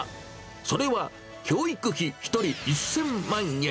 それは、教育費１人１０００万円。